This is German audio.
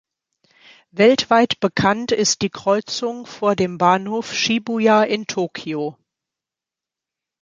Weltweit bekannt ist die Kreuzung vor dem Bahnhof Shibuya in Tokio.